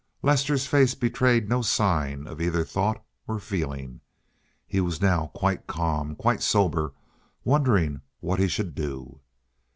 Lester's face betrayed no sign of either thought or feeling. He was now quite calm, quite sober, wondering what he should do.